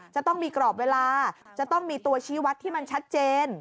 จะต้องมีกรอบเวลาจะต้องมีตัวชี้วัดที่มันชัดเจน